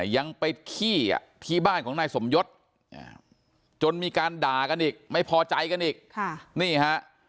ยังไปขี้ที่บ้านของนายสมยศจนมีการด่ากันอีกไม่พอใจกันอีกนี่ฮะ